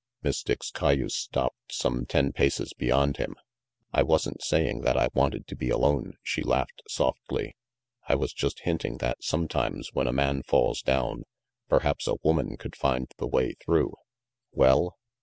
Miss Dick's cayuse stopped some ten paces beyond him. "I wasn't saying that I wanted to be alone," she laughed softly. "I was just hinting that sometimes when a man falls down, perhaps a woman could find the way through." "Well?"